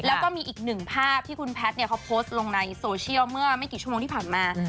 แล้วก็มีอีกหนึ่งภาพที่คุณแพทย์เขาโพสต์ลงในโซเชียลเมื่อไม่กี่ชั่วโมงที่ผ่านมา